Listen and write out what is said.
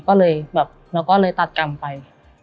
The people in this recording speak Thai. ก็เลยแบบเราก็เลยตัดกรรมไป